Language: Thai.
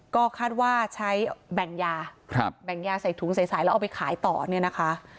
ก็คาดว่าใช้แบ่งยาแบ่งยาใส่ถุงใสแล้วเอาไปขายต่อเนี่ยนะคะ